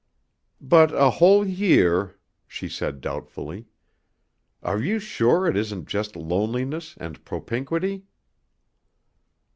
"But a whole year," she said doubtfully. "Are you sure it isn't just loneliness and propinquity?"